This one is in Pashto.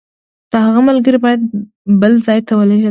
د هغه ملګري باید بل ځای ته ولېږل شي.